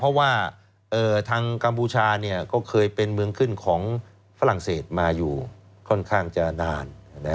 เพราะว่าทางกัมพูชาก็เคยเป็นเมืองขึ้นของฝรั่งเศสมาอยู่ค่อนข้างจะนาน